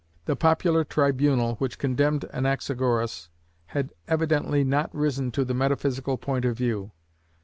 The popular tribunal which condemned Anaxagoras had evidently not risen to the metaphysical point of view.